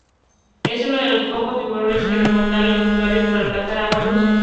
Es uno de los pocos tiburones que remonta los estuarios para alcanzar aguas dulces.